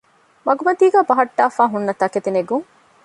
މަގުމަތީގައި ބަހައްޓާފައި ހުންނަ ތަކެތިނެގުން